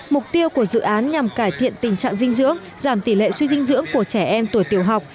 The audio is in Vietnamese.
mục tiêu của dự án nhằm cải thiện tình trạng dinh dưỡng giảm tỷ lệ suy dinh dưỡng của trẻ em tuổi tiểu học